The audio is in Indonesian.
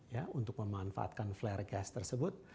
ya untuk memanfaatkan flare gas tersebut